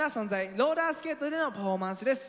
ローラースケートでのパフォーマンスです。